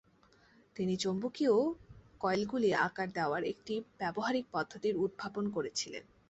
তিনি চৌম্বকীয় কয়েলগুলি আকার দেওয়ার একটি ব্যবহারিক পদ্ধতির উদ্ভাবন করেছিলেন।